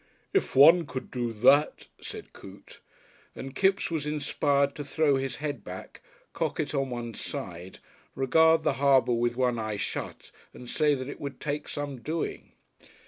"If one could do that," said Coote, and Kipps was inspired to throw his head back, cock it on one side, regard the Harbour with one eye shut and say that it would take some doing.